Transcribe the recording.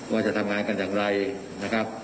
ว่าจะทำงานกันอย่างไรนะครับ